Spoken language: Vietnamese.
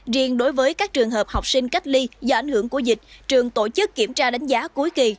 riêng đối với các trường hợp học sinh cách ly do ảnh hưởng của dịch trường tổ chức kiểm tra đánh giá cuối kỳ